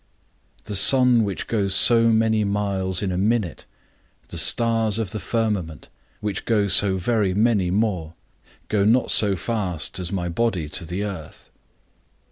The sun which goes so many miles in a minute, the stars of the firmament which go so very many more, go not so fast as my body to the earth.